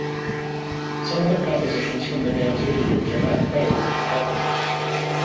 Some other compositions from the band's early years are not credited to the partnership.